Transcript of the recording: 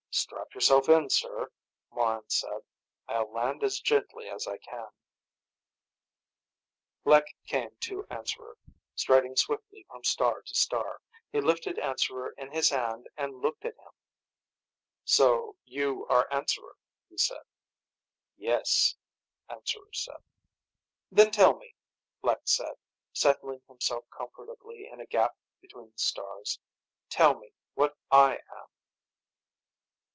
"Strap yourself in, sir," Morran said. "I'll land as gently as I can." Lek came to Answerer, striding swiftly from star to star. He lifted Answerer in his hand and looked at him. "So you are Answerer," he said. "Yes," Answerer said. "Then tell me," Lek said, settling himself comfortably in a gap between the stars, "Tell me what I am."